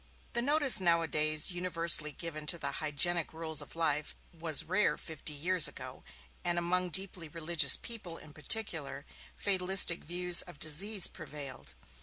The notice nowadays universally given to the hygienic rules of life was rare fifty years ago and among deeply religious people, in particular, fatalistic views of disease prevailed.